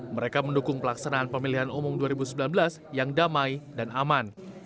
mereka mendukung pelaksanaan pemilihan umum dua ribu sembilan belas yang damai dan aman